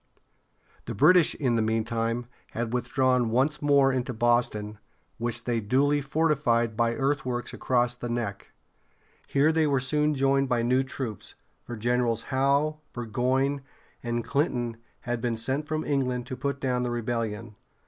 The British, in the meantime, had withdrawn once more into Boston, which they duly fortified by earthworks across the Neck. Here they were soon joined by new troops; for Generals Howe, Bur goyne´, and Clinton had been sent from England to put down the rebellion.